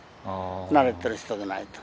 慣れてる人じゃないと。